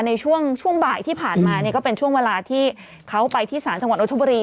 ในช่วงบ่ายที่ผ่านมาเนี่ยก็เป็นช่วงเวลาที่เขาไปที่ศาลจังหวัดนทบุรี